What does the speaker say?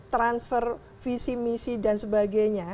transfer visi misi dan sebagainya